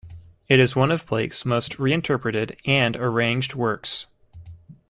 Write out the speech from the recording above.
It is one of Blake's most reinterpreted and arranged works.